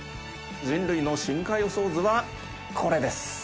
人類の進化予想図はこれです。